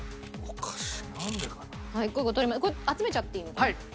これ集めちゃっていいのかな？